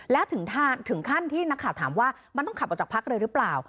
และถึงขั้นที่นักข่าวถามว่ามันต้องขับออกจากพักเลยหรือเปล่า